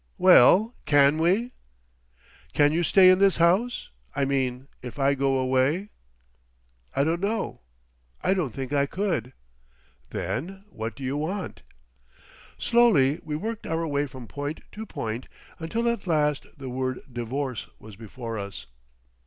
"Well, can we?" "Can you stay in this house? I mean—if I go away?" "I don't know.... I don't think I could." "Then—what do you want?" Slowly we worked our way from point to point, until at last the word "divorce" was before us.